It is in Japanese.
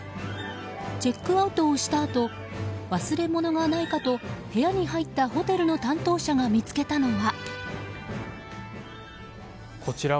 チェックアウトをしたあと忘れ物がないかと部屋に入ったホテルの担当者が見つけたのは。